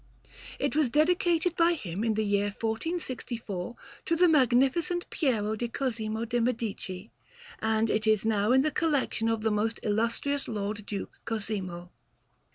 It was dedicated by him in the year 1464 to the Magnificent Piero di Cosimo de' Medici, and it is now in the collection of the most Illustrious Lord Duke Cosimo.